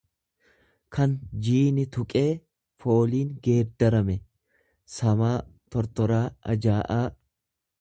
kan jiini tuqee fooliin geeddarame, samaa, tortoraa, ajaa'aa.